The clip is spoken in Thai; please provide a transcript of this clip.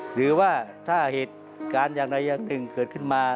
หรือว่าถ้าเหตุการณ์อย่างใดอย่างหนึ่งเกิดขึ้นมา